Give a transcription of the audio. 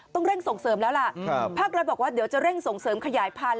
ต้องเร่งส่งเสริมแล้วล่ะภาครัฐบอกว่าเดี๋ยวจะเร่งส่งเสริมขยายพันธุ